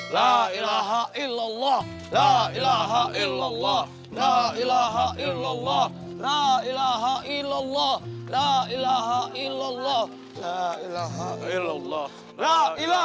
lihat sini handphonenya